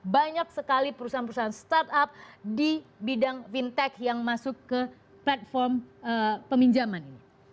banyak sekali perusahaan perusahaan startup di bidang fintech yang masuk ke platform peminjaman ini